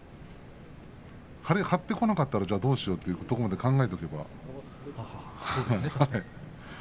張ってこなかったらじゃあどうしようというところまで考えていけば。